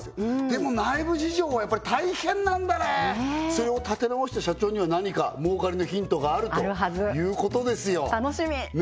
でも内部事情はやっぱり大変なんだねそれを立て直した社長には何か儲かりのヒントがあるということですよあるはず楽しみ！